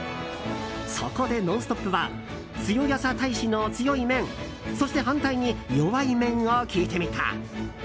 そこで「ノンストップ！」はつよやさ大使の強い面そして反対に弱い面を聞いてみた。